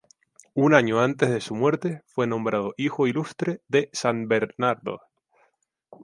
Un año antes de su muerte fue nombrado hijo ilustre de San Bernardo.